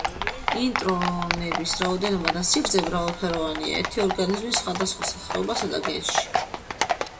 ინტრონების რაოდენობა და სიგრძე მრავალფეროვანია ერთი ორგანიზმის სხვადასხვა სახეობასა და გენში.